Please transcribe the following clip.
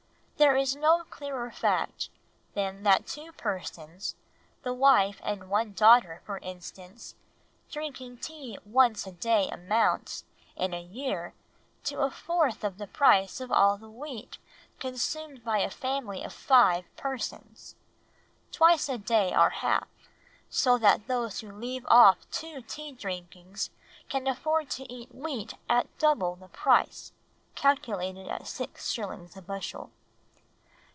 There is no clearer fact than that two persons, the wife and one daughter for instance, drinking tea once a day amounts, in a year, to a fourth of the price of all the wheat consumed by a family of five persons; twice a day are half; so that those who leave off two tea drinkings can afford to eat wheat at double the price (calculated at six shillings a bushel)."